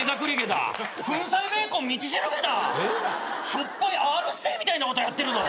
しょっぱいＲ−指定みたいなことやってるぞ！